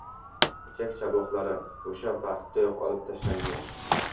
Ichak-chavoqlari... o‘sha vaqtdayoq olib tashlangan.